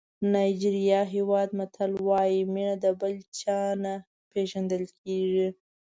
نایجېریا هېواد متل وایي مینه د بل چا نه پېژندل کېږي.